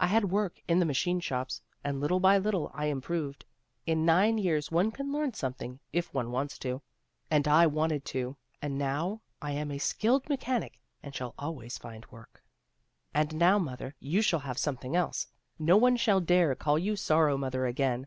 "I had work in the machine shops and little by little I improved. In nine years one can learn something, if one wants to, and I wanted to, and now I am a skilled mechanic and shall always find work. 58 THE ROSE CHILD "And now, Mother, you shall have something else. No one shall dare call you 'Sorrow mother' again.